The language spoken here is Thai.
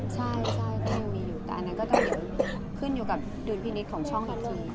ใช่ก็ยังมีอยู่แต่อันนั้นก็ต้องเดี๋ยวขึ้นอยู่กับดุลพินิษฐ์ของช่องนาที